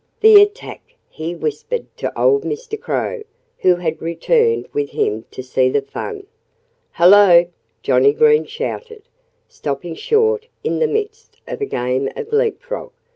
"The attack!" he whispered to old Mr. Crow, who had returned with him to see the fun. "Hullo!" Johnnie Green shouted, stopping short in the midst of a game of leapfrog.